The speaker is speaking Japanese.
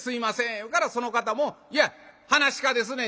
言うからその方も「いや噺家ですねん。